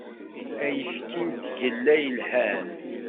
Ayekfi d tagella yelhan.